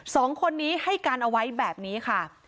สองคนนี้ให้การเอาไว้แบบนี้ค่ะ